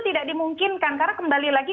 tidak dimungkinkan karena kembali lagi